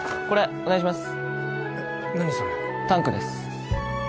お願いします